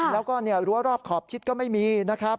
แล้วก็รั้วรอบขอบชิดก็ไม่มีนะครับ